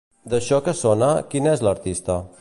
D'això que sona, qui n'és l'artista?